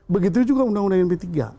begitu juga undang undang md tiga